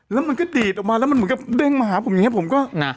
แล้วมันก็ดีดออกมาแล้วมันเหมือนกับเด้งมาหาผมอย่างนี้ผมก็น่ะ